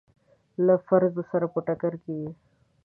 له فرضونو سره په ټکر کې وي.